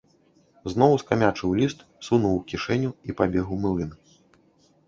Зноў скамячыў ліст, сунуў у кішэню і пабег у млын.